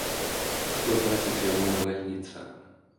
Што значыць яму навальніца?